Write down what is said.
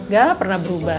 gak pernah berubah